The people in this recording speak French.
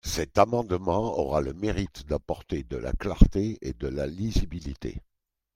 Cet amendement aura le mérite d’apporter de la clarté et de la lisibilité.